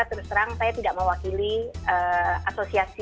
terus terang saya tidak mewakili asosiasi